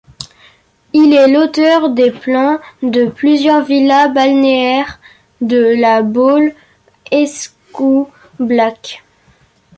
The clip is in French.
Il est l’auteur des plans de plusieurs villas balnéaires de La Baule-Escoublac.